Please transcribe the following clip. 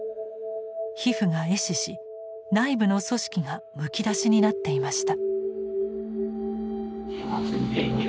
皮膚が壊死し内部の組織がむき出しになっていました。